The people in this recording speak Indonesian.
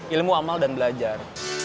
ilmu amal dan belajar